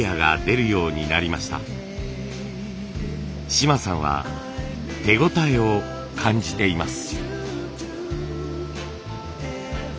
嶋さんは手応えを感じています。